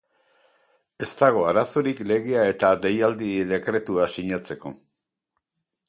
Ez dago arazorik legea eta deialdi-dekretua sinatzeko.